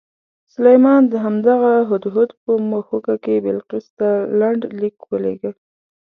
سلیمان د همدغه هدهد په مښوکه کې بلقیس ته لنډ لیک ولېږه.